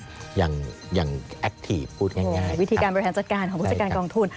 วิธีการบริหารจัดการของผู้จัดการกองทุน